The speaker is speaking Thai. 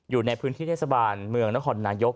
อยู่ในพื้นที่เทศบาลเมืองนครนายก